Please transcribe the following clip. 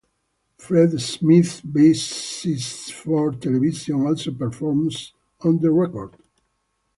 Fred Smith, bassist for Television, also performs on the record.